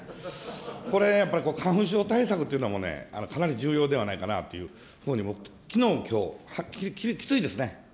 これね、やっぱり花粉症対策というのも、かなり重要ではないかなというふうに、僕、きのう、きょう、きついですね。